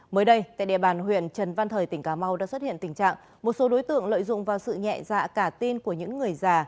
mới đây tại địa bàn huyện trần văn thời tỉnh cà mau đã xuất hiện tình trạng một số đối tượng lợi dụng vào sự nhẹ dạ cả tin của những người già